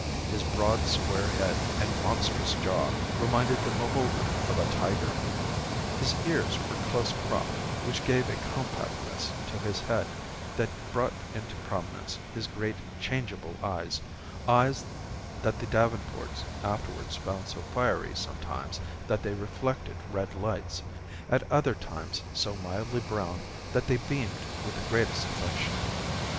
His broad square head and monstrous jaw reminded the beholder of a tiger. His ears were close cropped, which gave a compactness to his head that brought into prominence his great changeable eyes: eyes that the Davenports afterwards found so fiery sometimes that they reflected red lights; at other times so mildly brown that they beamed with the greatest affection.